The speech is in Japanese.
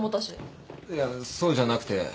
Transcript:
いやそうじゃなくて。